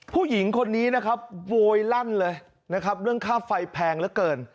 ผู้หญิงคนนี้นะครับโวยลั่นเลยนะครับเรื่องค่าไฟแพงเหลือเกิน